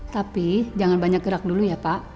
tapi jangan banyak gerak dulu ya pak